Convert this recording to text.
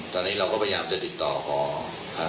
ตอนนี้เราก็พยายามจะติดต่อขอครับ